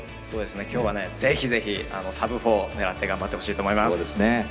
今日は、ぜひサブ４を狙って頑張ってほしいと思います。